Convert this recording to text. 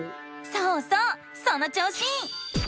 そうそうその調子！